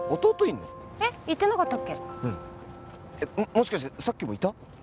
もしかしてさっきもいた？